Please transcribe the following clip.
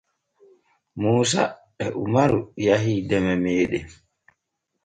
Muusa e umaru yahii deme meeɗen.